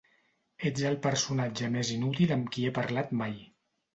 Ets el personatge més inútil amb qui he parlat mai.